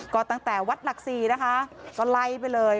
ก็ตั้งแต่วัดหลักศรีนะคะก็ไล่ไปเลย